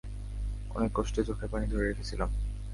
অনেক কষ্টে চোখের পানি ধরে রেখেছিলাম।